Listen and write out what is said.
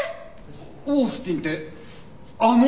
オースティンってあの？